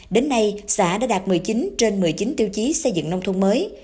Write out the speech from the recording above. đến nay xã đã đạt một mươi chín trên một mươi chín tiêu chí xây dựng nông thôn mới